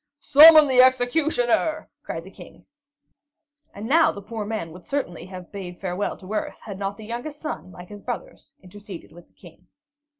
"Summon the executioner!" cried the King. And now the poor man would certainly have bade farewell to earth, had not the youngest son, like his brothers, interceded with the King.